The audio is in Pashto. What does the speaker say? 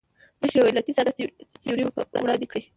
موږ یو علتي ساده تیوري وړاندې کړې.